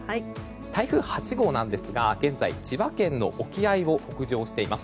台風８号なんですが現在、千葉県の沖合を北上しています。